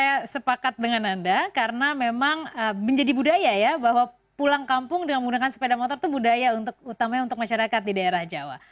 saya sepakat dengan anda karena memang menjadi budaya ya bahwa pulang kampung dengan menggunakan sepeda motor itu budaya utamanya untuk masyarakat di daerah jawa